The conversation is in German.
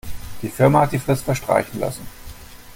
Die Firma hat die Frist verstreichen lassen.